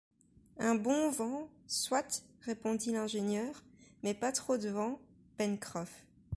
Un bon vent, soit, répondit l’ingénieur, mais pas trop de vent, Pencroff